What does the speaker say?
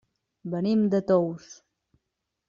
Venim de Tous.